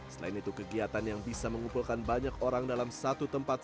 selain itu kegiatan yang bisa mengumpulkan banyak orang dalam satu tempat